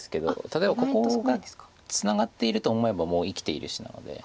例えばここがツナがっていると思えばもう生きている石なので。